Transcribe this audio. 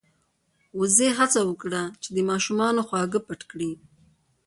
وزې هڅه وکړه چې د ماشومانو خواږه پټ کړي.